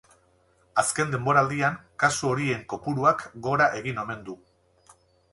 Azken denboraldian, kasu horien kopuruak gora egin omen du.